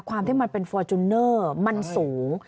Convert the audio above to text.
ความที่มันเป็นฟอร์จูเนอร์มันสูง